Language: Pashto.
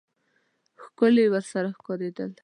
ښکلي ورسره ښکارېدل.